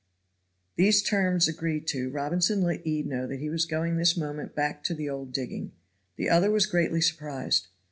These terms agreed to, Robinson let Ede know that he was going this moment back to the old digging. The other was greatly surprised.